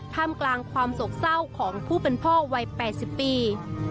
ท่ามกลางความโศกเศร้าของผู้เป็นพ่อวัย๘๐ปี